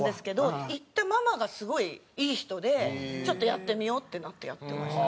行ったママがすごいいい人でちょっとやってみようってなってやってました。